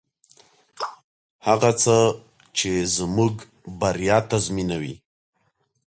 هغه څه چې زموږ بریا تضمینوي.